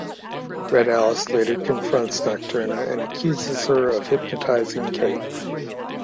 Red Alice later confronts Nocturna and accuses her of hypnotizing Kate.